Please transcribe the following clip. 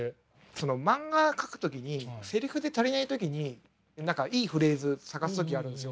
その漫画描く時にセリフで足りない時に何かいいフレーズ探す時あるんですよ。